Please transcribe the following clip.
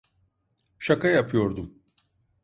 Şaka yapıyordum.